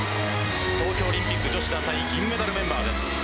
東京オリンピック女子団体銀メダルメンバーです。